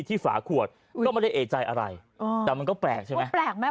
ฝาขวดก็ไม่ได้เอกใจอะไรแต่มันก็แปลกใช่ไหมแปลกไหม